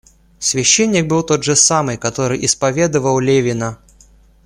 Священник был тот же самый, который исповедывал Левина.